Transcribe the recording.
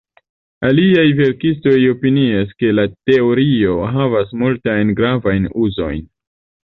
Aliaj verkistoj opinias, ke la teorio havas multajn gravajn uzojn.